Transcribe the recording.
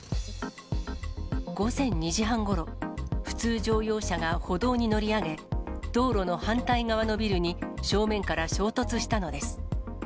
午前２時半ごろ、普通乗用車が歩道に乗り上げ、道路の反対側のビルに正面から衝突したのです。